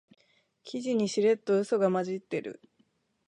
記事にしれっとウソが混じってる